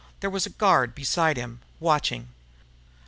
There was a guard beside him, watching.